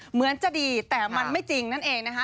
เหมือนจะดีแต่มันไม่จริงนั่นเองนะคะ